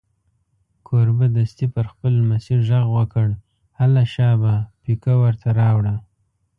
کوربه دستي پر خپل لمسي غږ وکړ: هله شابه پیکه ور ته راوړه.